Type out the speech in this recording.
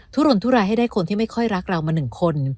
ุรนทุรายให้ได้คนที่ไม่ค่อยรักเรามาหนึ่งคน